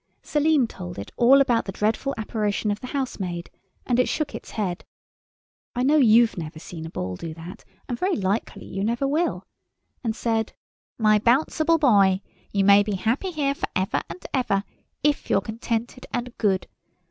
Selim told it all about the dreadful apparition of the housemaid, and it shook its head (I know you've never seen a ball do that, and very likely you never will) and said— "My Bouncible Boy, you may be happy here for ever and ever if you're contented and good.